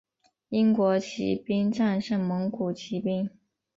英国骑兵战胜蒙古骑兵。